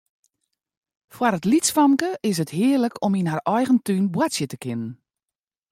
Foar it lytsfamke is it hearlik om yn har eigen tún boartsje te kinnen.